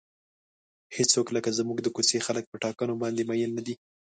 هیڅوک لکه زموږ د کوڅې خلک په ټاکنو باندې مین نه دي.